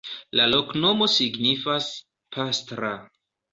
La loknomo signifas: pastra.